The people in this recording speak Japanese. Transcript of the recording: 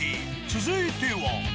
続いては。